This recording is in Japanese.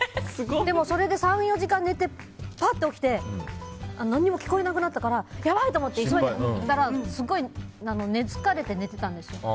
でも、それで３４時間寝てパッと起きて何も聞こえなくなったからやばい！と思って急いで行ったらすごい疲れて寝ていたんです。